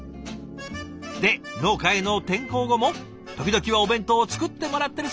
で農家への転向後も時々はお弁当を作ってもらってるそうです。